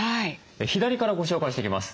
左からご紹介していきます。